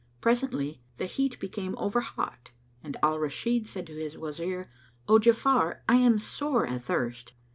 Presently the heat became overhot and Al Rashid said to his Wazir, "O Ja'afar, I am sore athirst."